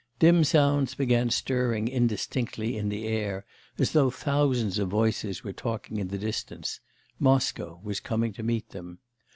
Dim sounds began stirring indistinctly in the air, as though thousands of voices were talking in the distance; Moscow was coming to meet them.